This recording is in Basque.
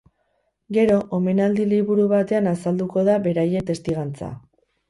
Gero, omenaldi-liburu batean azalduko da beraien testigantza.